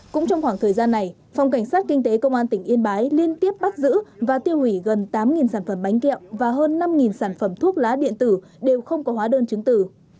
cũng trong khoảng thời gian này phòng cảnh sát kinh tế công an tỉnh yên bái liên tiếp bắt giữ và tiêu hủy gần tám sản phẩm bánh kẹo và hơn năm sản phẩm thuốc lá điện tử đều không có hóa đơn chứng tử